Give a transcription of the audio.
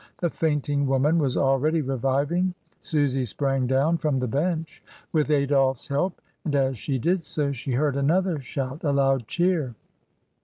The fainting woman was already reviving, Susy sprang down from the bench with Adolphe's help, and as she did so she heard another shout, a loud cheer.